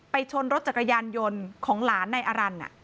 ไปชนรถจักรยานยนต์ของหลานในอารันทร์